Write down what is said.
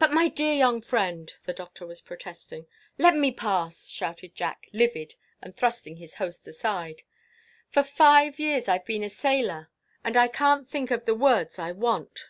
"But, my dear young friend—" the Doctor was protesting. "Let me pass!" shouted Jack, livid, and thrusting his host aside. "For five years I 've been a sailor, and I can't think of the words I want!"